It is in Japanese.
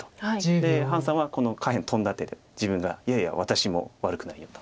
で潘さんはこの下辺トンだ手で「自分がいやいや私も悪くないよ」と。